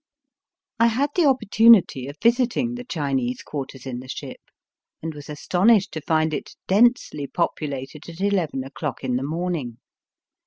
I had the opportunity of visiting the Chinese quarters in the ship, and was asto nished to find it densely populated at eleven o'clock in the morning.